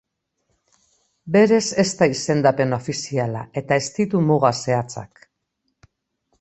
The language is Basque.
Berez, ez da izendapen ofiziala eta ez ditu muga zehatzak.